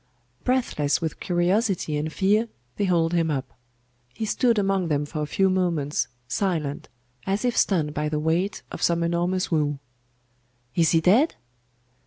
Breathless with curiosity and fear, they hauled him up. He stood among them for a few moments, silent, as if stunned by the weight of some enormous woe. 'Is he dead?